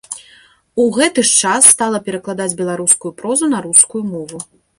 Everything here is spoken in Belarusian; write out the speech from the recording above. У гэты ж час стала перакладаць беларускую прозу на рускую мову.